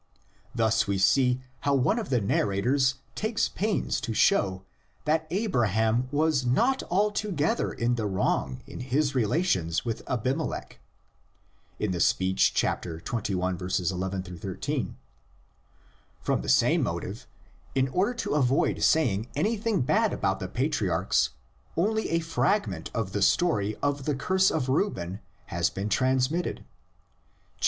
Thus we see how one of the narrators takes pains to show that Abraham was not altogether in the wrong in his relations with Abimelech (in the speech, xxi. 11 13). From the same motive, in order to avoid saying anything bad about the patriarchs, only a fragment of the story of the curse of Reuben has been trans mitted (xxxv.